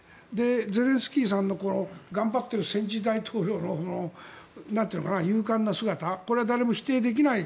ゼレンスキーさんの頑張っている戦時大統領の勇敢な姿これは誰も否定できない。